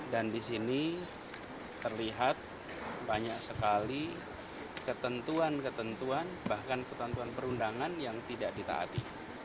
dan di sini terlihat banyak sekali ketentuan ketentuan bahkan ketentuan perundangan yang tidak ditaati